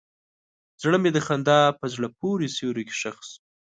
زړه مې د خندا په زړه پورې سیوري کې ښخ شو.